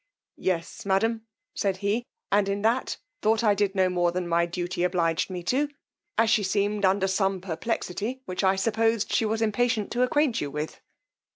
Yes, madam, said he, and in that, thought I did no more than my duty obliged me to, as she seemed under some perplexity, which I supposed she was impatient to acquaint you with.